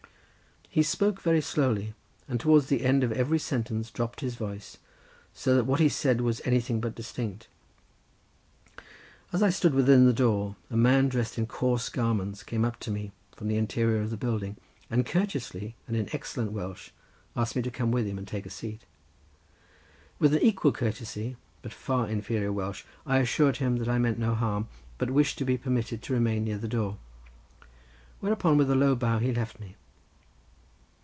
He spoke very slowly, and towards the end of every sentence dropped his voice, so that what he said was anything but distinct. As I stood within the door a man dressed in coarse garments came up to me from the interior of the building, and courteously and in excellent Welsh asked me to come with him and take a seat. With equal courtesy but far inferior Welsh, I assured him that I meant no harm, but wished to be permitted to remain near the door, whereupon with a low bow he left me.